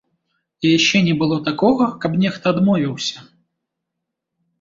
І яшчэ не было такога, каб нехта адмовіўся.